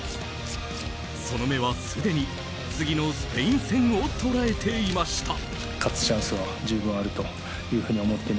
その目は、すでに次のスペイン戦を捉えていました。